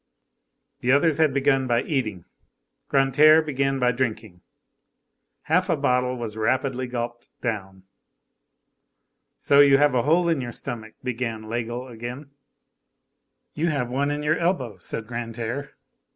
The others had begun by eating, Grantaire began by drinking. Half a bottle was rapidly gulped down. "So you have a hole in your stomach?" began Laigle again. "You have one in your elbow," said Grantaire.